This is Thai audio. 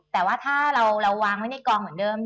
แต่ว่าถ้าเราวางไว้ในกองเหมือนเดิม